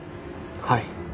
はい。